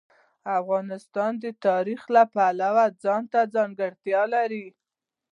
افغانستان د تاریخ د پلوه ځانته ځانګړتیا لري.